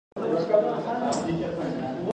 د روان کال لپاره باید بودیجه ولرو.